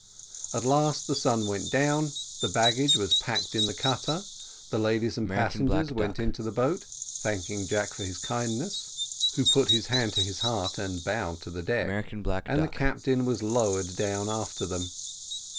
At last the sun went down, the baggage was placed in the cutter, the ladies and passengers went into the boat, thanking Jack for his kindness, who put his hand to his heart and bowed to the deck; and the captain was lowered down after them.